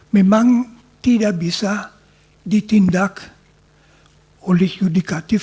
memang tidak bisa ditindak oleh yudikatif